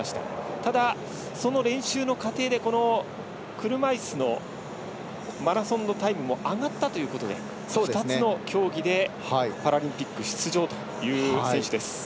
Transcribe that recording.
ただ、その練習の過程で車いすのマラソンのタイムも上がったということで２つの競技でパラリンピック出場という選手です。